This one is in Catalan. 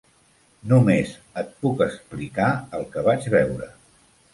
Només et puc explicar el que vaig veure.